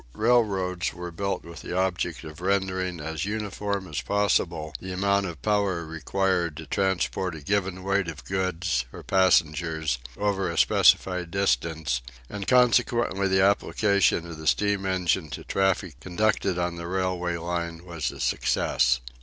Railroads were built with the object of rendering as uniform as possible the amount of power required to transport a given weight of goods or passengers over a specified distance; and consequently the application of the steam engine to traffic conducted on the railway line was a success.